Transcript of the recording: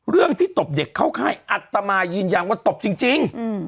เรื่องที่ตบเด็กเข้าค่ายอัตมายืนยันว่าตบจริง